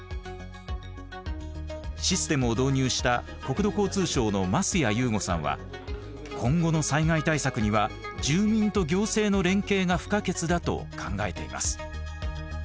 システムを導入した国土交通省の桝谷有吾さんは今後の災害対策には住民と行政の連携が不可欠だと考えています。